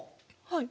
はい。